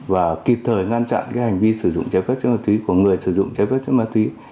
và kịp thời ngăn chặn cái hành vi sử dụng trái phép chất ma túy của người sử dụng trái phép chất ma túy